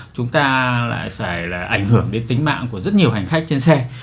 chúng ta lại phải là ảnh hưởng đến tính mạng của rất nhiều hành khách trên xe